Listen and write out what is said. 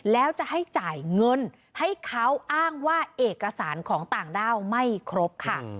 แล้วจะให้จ่ายเงินให้เขาอ้างว่าเอกสารของต่างด้าวไม่ครบค่ะ